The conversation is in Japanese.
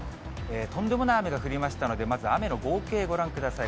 とんでもない雨が降りましたので、まず雨の合計、ご覧ください。